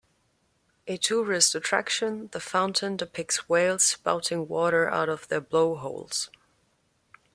A tourist attraction, the fountain depicts whales spouting water out of their blowholes.